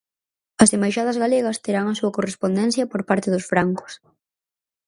As embaixadas galegas terán a súa correspondencia por parte dos francos.